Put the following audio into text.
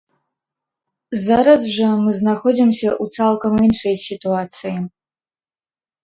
Зараз жа мы знаходзімся ў цалкам іншай сітуацыі.